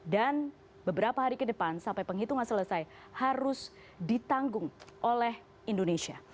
dan beberapa hari ke depan sampai penghitungan selesai harus ditanggung oleh indonesia